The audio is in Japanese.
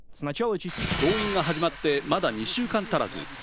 動員が始まってまだ２週間足らず。